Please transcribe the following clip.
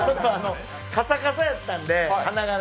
カサカサやったんで、鼻が。